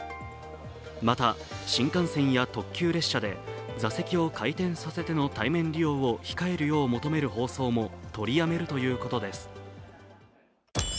また、新幹線や特急列車で座席を回転させての対面利用を控えるよう求める放送もとりやめるということです。